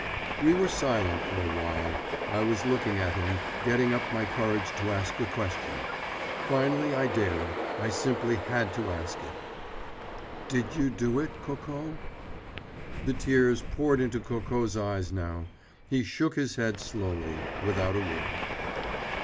We were silent for a while. I was looking at him, getting up my courage to ask a question. Finally I dared. I simply had to ask it: "Did you do it, Coco?" The tears poured into Coco's eyes now. He shook his head slowly, without a word.